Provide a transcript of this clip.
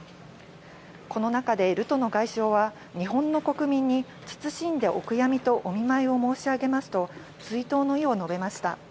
この中で、ルトノ外相は、日本の国民に、謹んでお悔やみとお見舞いを申し上げますと追悼の意を述べました。